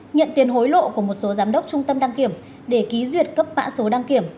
nhận tiền hối lộ của một số giám đốc trung tâm đăng kiểm để ký duyệt cấp mã số đăng kiểm